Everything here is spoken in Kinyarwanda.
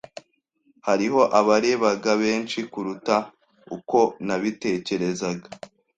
Hariho abarebaga benshi kuruta uko nabitekerezaga.